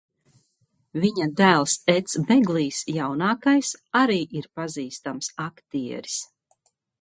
Viņa dēls Eds Beglijs jaunākais arī ir pazīstams aktieris.